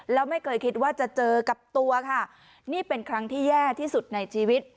แล้วไม่เคยคิดว่าจะเจอกับตัวค่ะนี่เป็นครั้งที่แย่ที่สุดในชีวิต